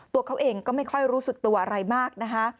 ตัวเขาเองก็ไม่ค่อยรู้สึกตัวอะไรมากนะคะ